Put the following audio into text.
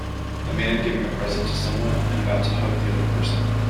A man giving a present to someone and about to hug the other person.